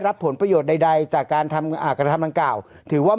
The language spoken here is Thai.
รับผลประโยชน์ใดจากการทำอ่าการทำทางเก่าถือว่า